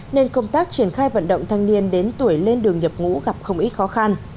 nên công tác triển khai vận động thanh niên đến tuổi lên đường nhập ngũ gặp không ít khó khăn